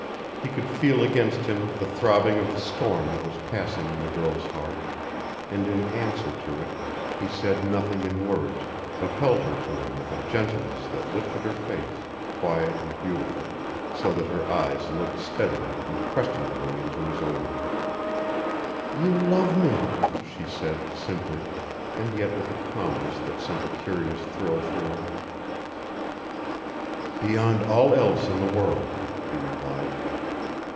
He could feel against him the throbbing of the storm that was passing in the girl's heart, and in answer to it he said nothing in words, but held her to him with a gentleness that lifted her face, quiet and beautiful, so that her eyes looked steadily and questioningly into his own. "You love me," she said, simply, and yet with a calmness that sent a curious thrill through him. "Beyond all else in the world," he replied.